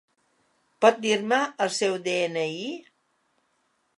Pot dir-me el seu de-ena-i?